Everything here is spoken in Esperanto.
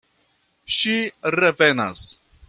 Ŝi revenas.